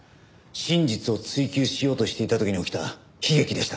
真実を追及しようとしていた時に起きた悲劇でした。